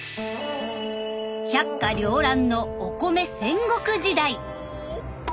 百花繚乱のお米戦国時代！